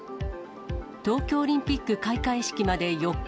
東京オリンピック開会式まで４日。